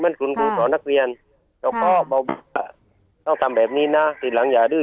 มันคุณครูสอนนักเรียนค่ะแล้วก็บอกต้องทำแบบนี้น่ะติดหลังอย่าดื้อ